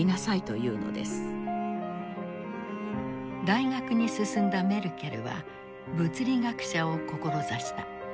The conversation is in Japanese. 大学に進んだメルケルは物理学者を志した。